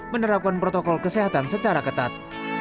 menerapkan protokol kesehatan secara ketat